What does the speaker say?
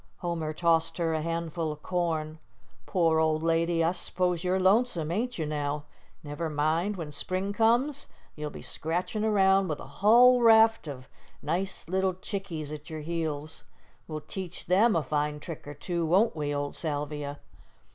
Homer tossed her a handful of corn. "Poor old lady, I s'pose you're lonesome, ain't you, now? Never mind; when spring comes you'll be scratchin' around with a hull raft of nice little chickies at your heels. We'll teach them a fine trick or two, won't we, old Salvia?"